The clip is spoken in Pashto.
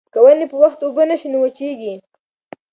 که ونې په وخت اوبه نه شي نو وچېږي.